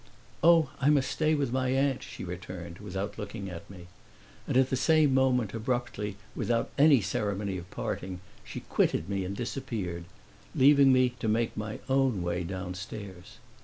"Oh, I must stay with my aunt," she returned, without looking at me. And at the same moment, abruptly, without any ceremony of parting, she quitted me and disappeared, leaving me to make my own way downstairs.